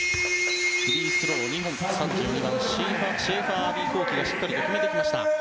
フリースロー２本、３２番シェーファー・アヴィ幸樹がしっかりと決めてきました。